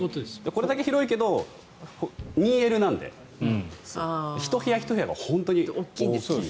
これだけ広いけど２Ｌなので１部屋１部屋が本当に大きい。